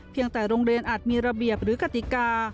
แต่โรงเรียนอาจมีระเบียบหรือกติกา